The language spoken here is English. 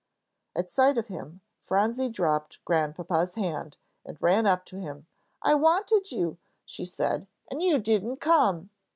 At sight of him Phronsie dropped Grandpapa's hand, and ran up to him. "I wanted you," she said, "and you didn't come."